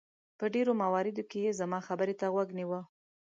په ډېرو مواردو کې یې زما خبرې ته غوږ نیوه.